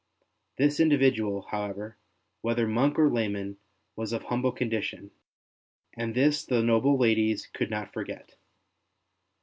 This individual, however, whether monk or layman, was of humble condition, and this the noble ladies could not forget.